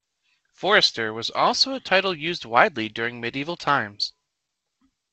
Forester was also a title used widely during Medieval times.